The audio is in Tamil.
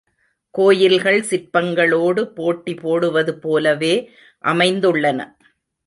கோயில்கள், சிற்பங்களோடு போட்டி போடுவது போலவே அமைந்துள்ளன.